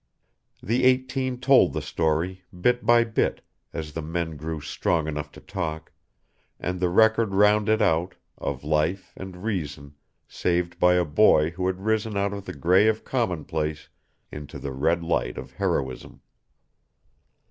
The eighteen told the story, but by bit, as the men grew strong enough to talk, and the record rounded out, of life and reason saved by a boy who had risen out of the gray of commonplace into the red light of heroism.